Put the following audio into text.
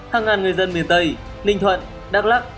hàng ngàn người dân miền tây ninh thuận đắk lắc